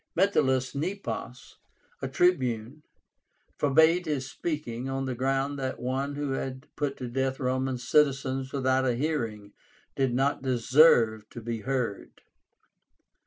Metellus Nepos, a Tribune, forbade his speaking, on the ground that one who had put to death Roman citizens without a hearing did not deserve to be heard.